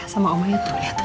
sama oma ya tuh